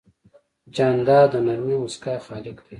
جانداد د نرمې موسکا خالق دی.